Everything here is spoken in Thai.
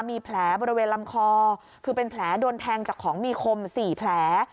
มีแผลบริเวณลำคอคือเป็นแผลโดนแทงจากของมีคม๔แผล